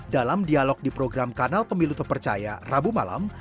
dalam dialog di program kanal pemilu terpercaya rabu malam